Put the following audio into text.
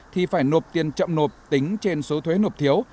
thì phải nộp tiền chậm nộp tính trên số thuế nộp thiếu